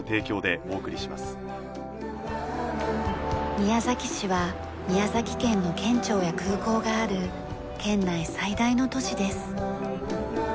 宮崎市は宮崎県の県庁や空港がある県内最大の都市です。